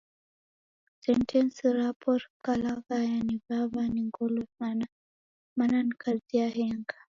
Sentensi rapo rikalaghaya ni'waw'a ni ngolo sana mana ni kazi yahenga.